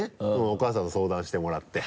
お母さんと相談してもらって。